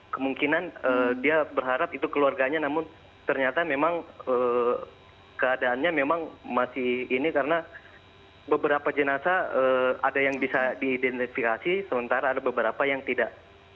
kemungkinan dia berharap itu keluarganya namun ternyata memang keadaannya memang masih ini karena beberapa jenazah ada yang bisa diidentifikasi sementara ada beberapa yang tidak